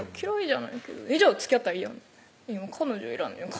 「じゃあつきあったらいいやん」